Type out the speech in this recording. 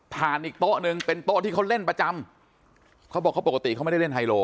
อีกโต๊ะหนึ่งเป็นโต๊ะที่เขาเล่นประจำเขาบอกเขาปกติเขาไม่ได้เล่นไฮโล